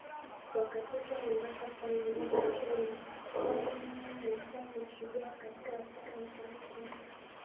wakatisha Mombasa pwani mwa Kenya Saba naneMasai mashujaa katika Afrika ya Mashariki ya